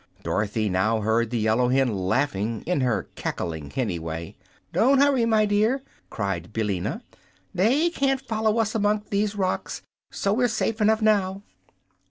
Dorothy now heard the yellow hen laughing, in her cackling, henny way. "Don't hurry, my dear," cried Billina. "They can't follow us among these rocks, so we're safe enough now."